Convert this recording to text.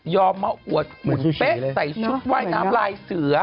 ยอมมาอวดหมุนเฟ้ตใส่ชุดว่ายน้ำลายเสือ